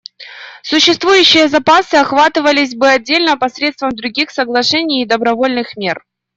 Существующие запасы охватывались бы отдельно посредством других соглашений и добровольных мер.